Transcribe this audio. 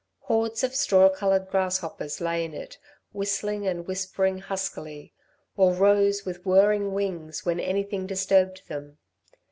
Hordes of straw coloured grasshoppers lay in it, whistling and whispering huskily, or rose with whirring wings when anything disturbed them.